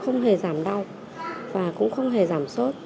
không hề giảm đau và cũng không hề giảm sốt